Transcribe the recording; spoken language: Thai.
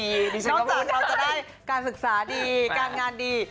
นี่ฉันก็พูดเราจะได้การศึกษาดีการงานดี